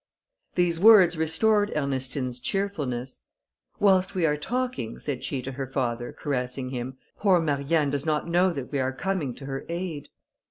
These words restored Ernestine's cheerfulness. "Whilst we are talking," said she to her father, caressing him, "poor Marianne does not know that we are coming to her aid."